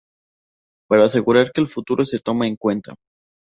Para asegurar que el futuro se toma en cuenta.